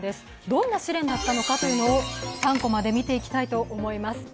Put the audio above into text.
どんな試練だったのかを「３コマ」で見ていきたいと思います。